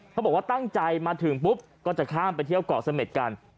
เขาบอกว่าตั้งใจมาถึงปุ๊บก็จะข้ามไปเที่ยวเกาะเสม็ดกัน